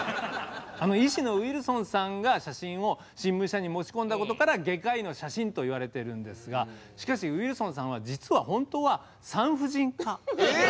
医師のウィルソンさんが写真を新聞社に持ち込んだことから「外科医の写真」と言われているんですがしかしウィルソンさんは実は本当は産婦人科。え！